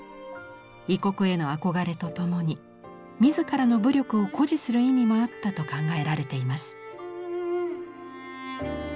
異国への憧れとともに自らの武力を誇示する意味もあったと考えられています。